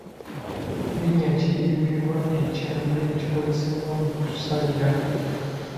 Linnya ki eriweebwa ekyambe ekikozesebwa mu kusalira?